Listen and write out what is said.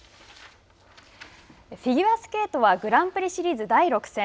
フィギュアスケートはグランプリシリーズ第６戦。